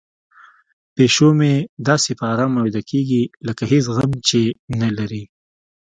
پیشو مې داسې په ارامه ویده کیږي لکه هیڅ غم چې نه لري.